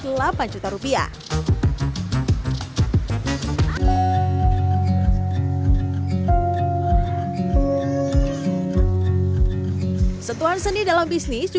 setuan seni dalam bisnis juga ditekuni oleh pembangunan pertama di indonesia